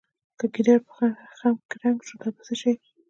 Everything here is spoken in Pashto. که ګیدړ په خم کې رنګ شو په دا څه شي.